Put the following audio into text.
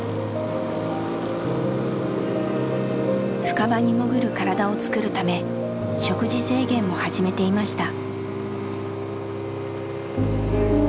深場に潜る体をつくるため食事制限も始めていました。